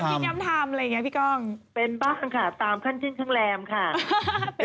กินน้ำทำอะไรอย่างนี้พี่ก้องเป็นบ้างค่ะตามขั้นขึ้นข้างแรมค่ะ